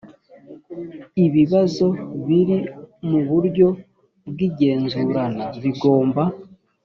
ibibazo biri mu buryo bw igenzurana bigomba